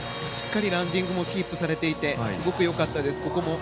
しっかりランディングもキープされていてすごく良かったです。